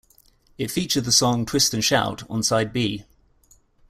It featured the song "Twist and Shout" on Side B.